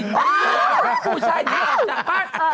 ผู้ชายได้เอาสัมภาษณ์